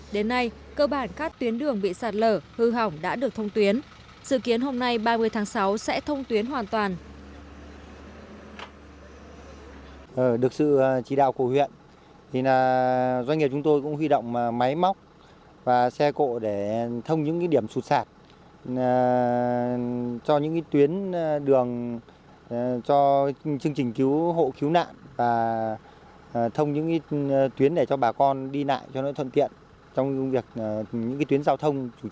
đến nay cơ bản các tuyến đường bị sạt lở hư hỏng đã được thông tuyến sự kiến hôm nay ba mươi tháng sáu sẽ thông tuyến hoàn toàn